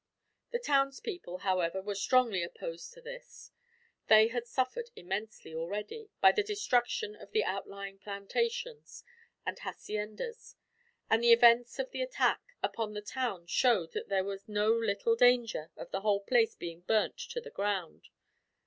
The townspeople, however, were strongly opposed to this. They had suffered immensely, already, by the destruction of the outlying plantations and haciendas; and the events of the attack upon the town showed that there was no little danger of the whole place being burnt to the ground.